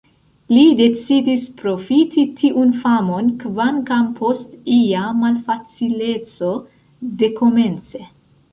Li decidis profiti tiun famon, kvankam post ia malfacileco dekomence.